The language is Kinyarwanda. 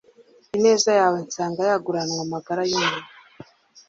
ineza yawe nsanga yaguranwa amagara y’umuntu